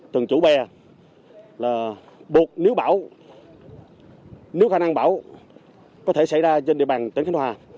từng chủ bè là buộc nếu bão nếu khả năng bão có thể xảy ra trên địa bàn tỉnh khánh hòa